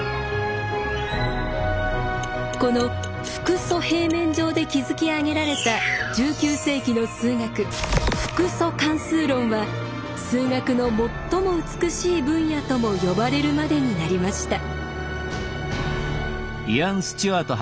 この複素平面上で築き上げられた１９世紀の数学複素関数論は数学の最も美しい分野とも呼ばれるまでになりました。